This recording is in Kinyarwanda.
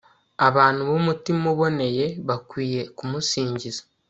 abantu b'umutima uboneye bakwiye kumusingiza